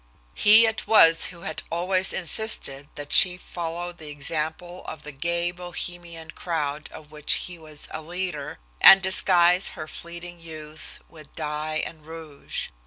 He it was who had always insisted that she follow the example of the gay Bohemian crowd of which he was a leader, and disguise her fleeting youth, with dye and rouge.